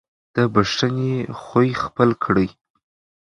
د بښنې خوی خپل کړئ.